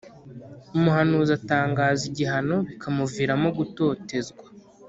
Umuhanuzi atangaza igihano bikamuviramo gutotezwa